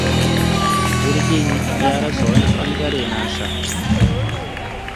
Jirgin ya rasa wani bangar nasa.